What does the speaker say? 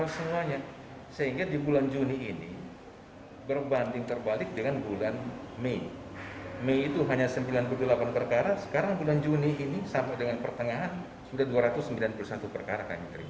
sudah dua ratus sembilan puluh satu perkara kami terima